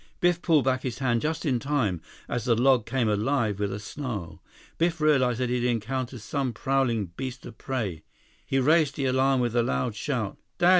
Biff pulled back his hand just in time, as the log came alive with a snarl. Biff realized that he had encountered some prowling beast of prey. He raised the alarm with a loud shout: "Dad!